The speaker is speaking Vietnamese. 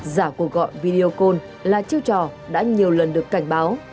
giả cuộc gọi video call là chiêu trò đã nhiều lần được cảnh báo